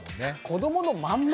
子どものまんま？